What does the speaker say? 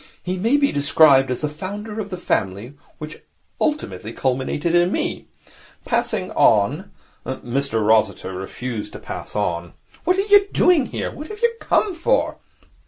He may be described as the founder of the family which ultimately culminated in Me. Passing on ' Mr Rossiter refused to pass on. 'What are you doing here? What have you come for?'